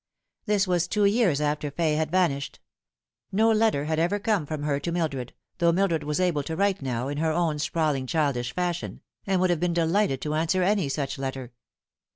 This was two years after Fay had vanished. No letter had ever come from her to Mildred, though Mildred was able to write now, in her own sprawling childish fashion, and would have been delighted to answer any such letter.